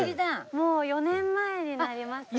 もう４年前になりますね。